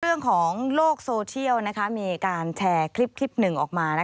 เรื่องของโลกโซเชียลมีการแชร์คลิปหนึ่งออกมา